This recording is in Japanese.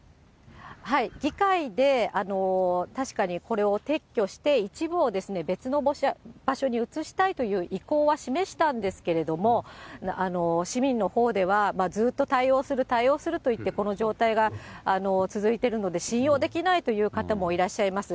議会で、確かにこれを撤去して、一部を別の場所に移したいという意向は示したんですけれども、市民のほうでは、ずっと対応する対応するといってこの状態が続いてるので、信用できないという方もいらっしゃいます。